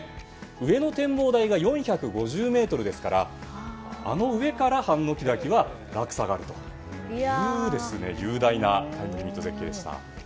上の展望台が４５０ｍですからあの上からハンノキ滝は落差があるという雄大なタイムリミット絶景でした。